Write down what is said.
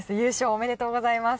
おめでとうございます。